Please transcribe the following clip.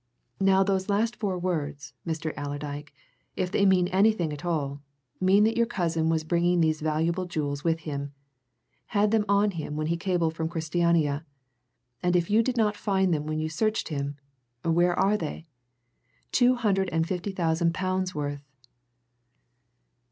Now those last four words, Mr. Allerdyke, if they mean anything at all, mean that your cousin was bringing these valuable jewels with him; had them on him when he cabled from Christiania. And if you did not find them when you searched him where are they? Two hundred and fifty thousand pounds' worth!"